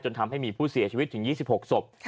ทำให้มีผู้เสียชีวิตถึง๒๖ศพ